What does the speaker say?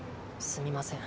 すみません！